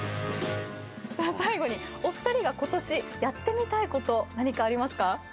最後にお二人がことしやってみたいことありますか？